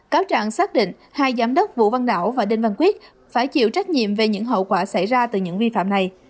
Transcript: cáo trạng xác định hai giám đốc vũ văn đảo và đinh văn quyết phải chịu trách nhiệm về những hậu quả xảy ra từ những vi phạm này